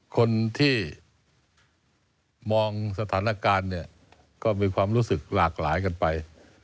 คนที่มองสถานการณ์เนี่ยก็มีความรู้สึกหลากหลายกันไป